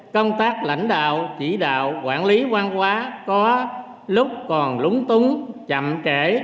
công tác lãnh đạo chỉ đạo quản lý văn hóa có lúc còn lúng túng chậm trễ